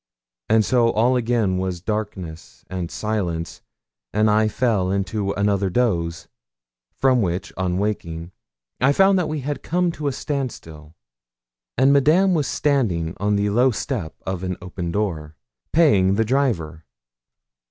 And so all again was darkness and silence, and I fell into another doze, from which, on waking, I found that we had come to a standstill, and Madame was standing on the low step of an open door, paying the driver.